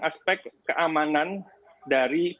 aspek keamanan dari